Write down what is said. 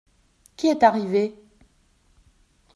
Qui est arrivé ?